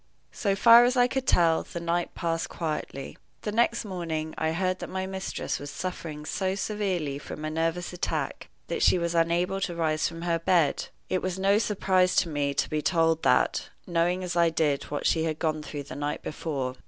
So far as I could tell, the night passed quietly. The next morning I heard that my mistress was suffering so severely from a nervous attack that she was unable to rise from her bed. It was no surprise to me to be told that, knowing as I did what she had gone through the night before.